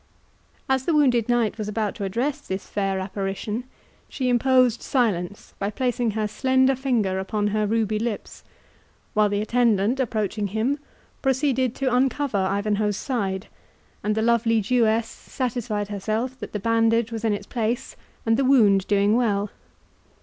As the wounded knight was about to address this fair apparition, she imposed silence by placing her slender finger upon her ruby lips, while the attendant, approaching him, proceeded to uncover Ivanhoe's side, and the lovely Jewess satisfied herself that the bandage was in its place, and the wound doing well.